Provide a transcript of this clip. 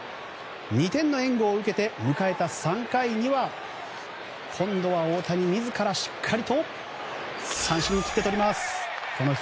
２点の援護を受けて迎えた３回には大谷自らしっかりと三振に切ってとります。